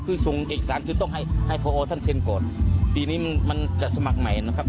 คือส่งเอกสารคือต้องให้ให้พอท่านเซ็นก่อนปีนี้มันมันจะสมัครใหม่นะครับ